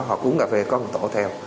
họ uống cà phê có một tổ theo